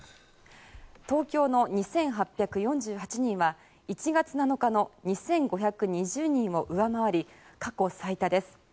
東京の２８４８人は１月７日の２５２０人を上回り過去最多です。